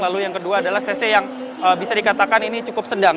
lalu yang kedua adalah cc yang bisa dikatakan ini cukup sedang